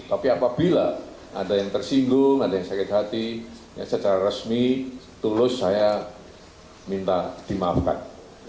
tapi apabila ada yang tersinggung ada yang sakit hati secara resmi tulus saya minta dimaafkan